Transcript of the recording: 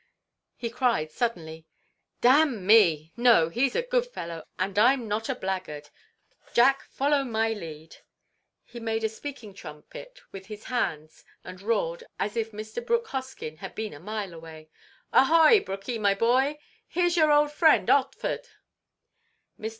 he cried, suddenly, "Damme! No! he's a good fellow, and I'm not a blackguard!—Jack, follow my lead." He made a speaking trumpet with his hands and roared, as if Mr. Brooke Hoskyn had been a mile away, "Ahoy! Brooky, my boy! Here 's your old friend, Otford." Mr.